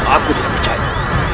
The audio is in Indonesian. aku tidak percaya